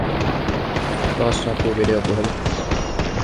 Taas saapui videopuhelu.